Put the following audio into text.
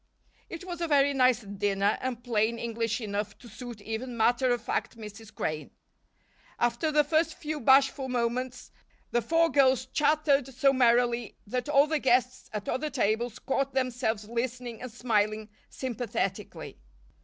It was a very nice dinner and plain English enough to suit even matter of fact Mrs. Crane. After the first few bashful moments, the four girls chattered so merrily that all the guests at other tables caught themselves listening and smiling sympathetically.